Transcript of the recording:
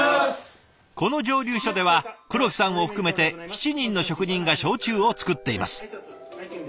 この蒸留所では黒木さんを含めて７人の職人が焼酎をつくっています。